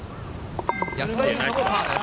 安田祐香もパーです。